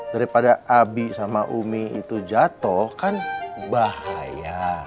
daripada abi sama umi itu jatuh kan bahaya